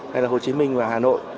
hay là hồ chí minh và hà nội